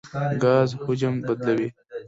ګاز حجم بدلوي.